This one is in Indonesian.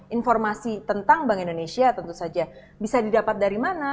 informasi tentang bank indonesia tentu saja bisa didapat dari mana